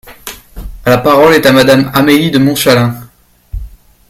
La parole est à Madame Amélie de Montchalin.